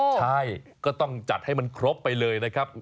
ใช่ก็ต้องจัดให้มันครบไปเลยนะครับ